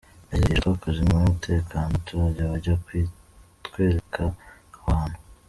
Yagize ati “ Ejo twakoze inama y’umutekano n’abaturage bajya kutwereka aho hantu.